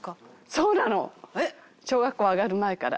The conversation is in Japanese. そうなの！小学校上がる前から。